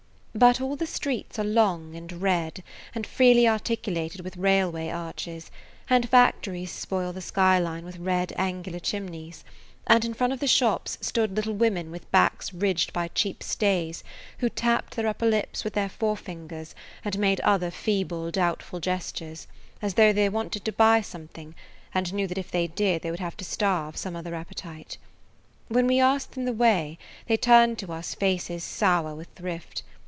But all the streets are long and red and freely articulated with railway arches, and factories spoil the skyline with red, angular chimneys, and in front of the shops stood little women with backs ridged by cheap stays, who tapped their upper lips with their forefingers and made other feeble, doubtful gestures, as [Page 84] though they wanted to buy something and knew that if they did they would have to starve some other appetite. When we asked them the way they turned to us faces sour with thrift.